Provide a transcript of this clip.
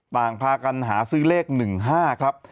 ต่างพากันหาซื้อเลข๑๕ครับ